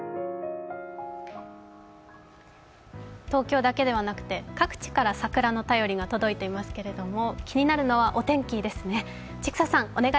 東京だけではなくて各地から桜の便りが届いていますけれども気になるのはお天気ですね。